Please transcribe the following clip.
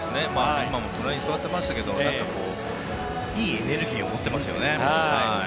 隣に座っていましたけどいいエネルギーを持ってますよね。